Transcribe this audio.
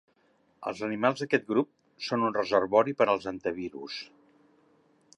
Els animals d'aquest grup són un reservori per als hantavirus.